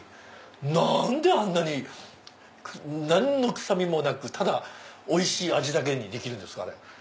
何であんなに何の臭みもなくただおいしい味だけにできるんですか？